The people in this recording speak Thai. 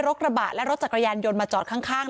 กระบะและรถจักรยานยนต์มาจอดข้าง